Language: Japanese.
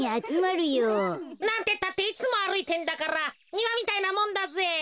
なんてったっていつもあるいてんだからにわみたいなもんだぜ。